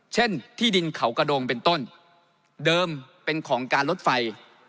เช่นที่ดินเขากระดงเป็นต้นเดิมเป็นของการลดไฟ